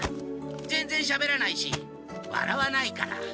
ぜんぜんしゃべらないしわらわないから。